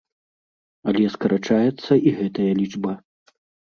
Але скарачаецца і гэтая лічба.